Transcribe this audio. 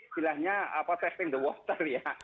istilahnya testing the water ya